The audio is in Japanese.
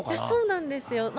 そうなんですよ。